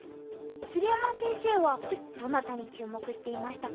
鶴山先生はどなたに注目していましたか？